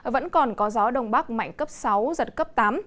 vẫn còn có gió đông bắc mạnh cấp sáu giật cấp tám